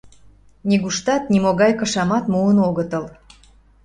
Нигуштат, нимогай кышамат муын огытыл.